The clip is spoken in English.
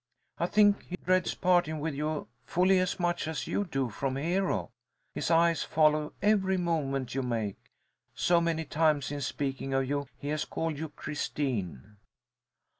I think he dreads parting with you fully as much as you do from Hero. His eyes follow every movement you make. So many times in speaking of you he has called you Christine."